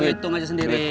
lo hitung aja sendiri ya